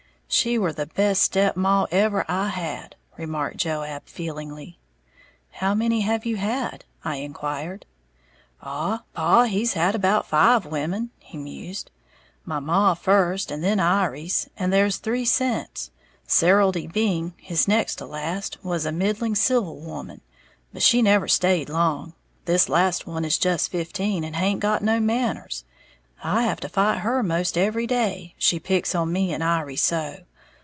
"She were the best step maw ever I had," remarked Joab, feelingly. "How many have you had?" I inquired. "Oh, paw he's had about five women," he mused. "My maw first, and then Iry's, and there's three sence. Serildy Byng, his next to last, was a middling civil woman; but she never stayed long. This last one is just fifteen, and haint got no manners. I have to fight her most every day, she picks on me'n Iry so.